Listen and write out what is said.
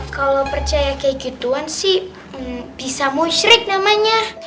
kalau percaya kayak gituan sih bisa musyrik namanya